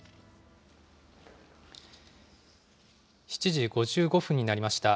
７時５５分になりました。